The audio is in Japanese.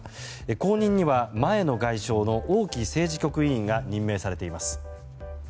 後任には前の外相の王毅政治局委員が任命されています。